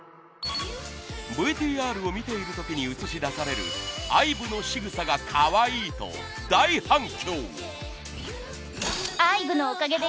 ＶＴＲを見ている時に映し出されるＩＶＥのしぐさが可愛い！と大反響。